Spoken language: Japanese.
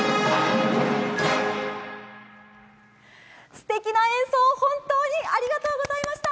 すてきな演奏、本当にありがとうございました！